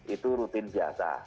itu rutin biasa